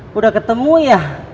sudah ketemu ya